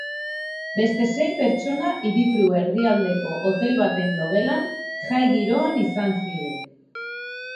Beste sei pertsona hiriburu erdialdeko hotel baten logelan, jai giroan izan ziren.